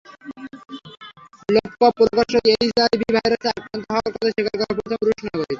Lobkov প্রকাশ্যে HIV ভাইরাসে আক্রান্ত হওয়ার কথা স্বীকার করা প্রথম রুশ নাগরিক।